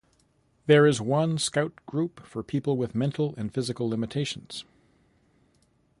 There is one Scout group for people with mental and physical limitations.